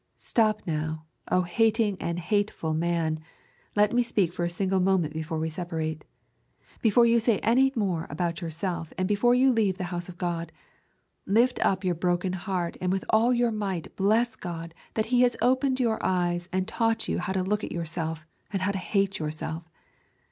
Stop now, O hating and hateful man, and let me speak for a single moment before we separate. Before you say any more about yourself, and before you leave the house of God, lift up your broken heart and with all your might bless God that He has opened your eyes and taught you how to look at yourself and how to hate yourself.